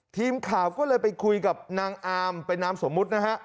ทีมข่าวก็เลยไปคุยกับนางอามเป็นนามสมมุตินะฮะ